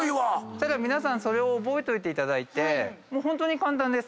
そしたら皆さんそれを覚えておいていただいてホントに簡単です。